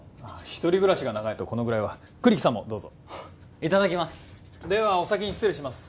一人暮らしが長いとこのぐらいは栗木さんもどうぞいただきますではお先に失礼します